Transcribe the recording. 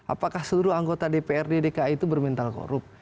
apakah seluruh anggota dprd dki itu bermental korup